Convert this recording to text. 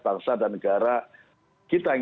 bangsa dan negara kita yang